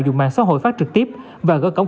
dùng mạng xã hội phát trực tiếp và gỡ cổng